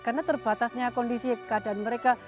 karena terbatasnya kondisi keadaan mereka